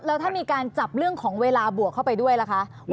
แล้วถ้ามีการจับเรื่องของเวลาบวกเข้าไปด้วยล่ะคะ